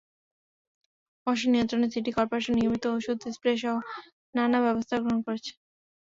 মশা নিয়ন্ত্রণে city corporation নিয়মিত ওষুধ স্প্রেসহ নানা ব্যবস্থা গ্রহণ করছে।